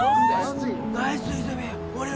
ナイス和泉